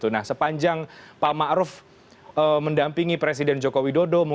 nah sepanjang pak maruf mendampingi presiden joko widodo